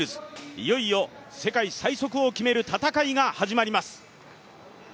いよいよ世界最速を決める戦いが始まります。